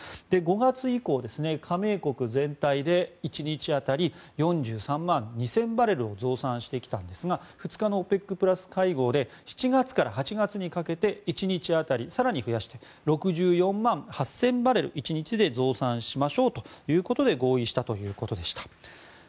５月以降、加盟国全体で１日当たり４３万２０００バレルを増産してきたんですが２日のＯＰＥＣプラス会合で７月から８月にかけて１日当たり更に増やして６４万８０００バレル、１日で増産しましょうということで合意したということでした。